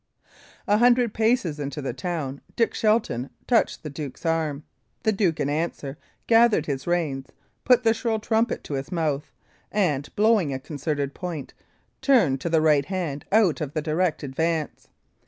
A hundred paces into the town, Dick Shelton touched the duke's arm; the duke, in answer, gathered his reins, put the shrill trumpet to his mouth, and blowing a concerted point, turned to the right hand out of the direct advance.